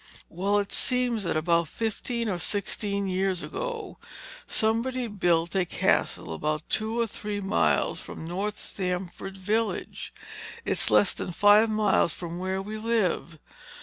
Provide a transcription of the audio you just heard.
"Well, it seems that about fifteen or sixteen years ago, somebody built a castle about two or three miles from North Stamford village. It's less than five miles from where we live.